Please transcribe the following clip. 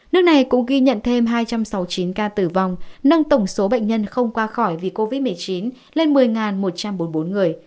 nước này cũng ghi nhận thêm hai trăm sáu mươi chín ca tử vong nâng tổng số bệnh nhân không qua khỏi vì covid một mươi chín lên một mươi một trăm bốn mươi bốn người